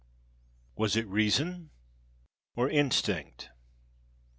WAS IT REASON OR INSTINCT?